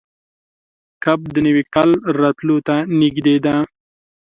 کب د نوي کال راتلو ته نږدې ده.